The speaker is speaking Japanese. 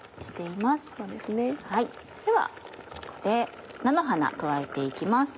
ここで菜の花加えて行きます。